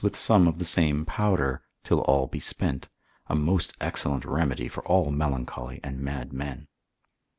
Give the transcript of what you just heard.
with some of the same powder, till all be spent, a most excellent remedy for all melancholy and mad men.